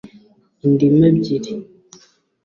Indimu ebyiri